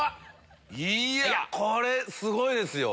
いやこれすごいですよ！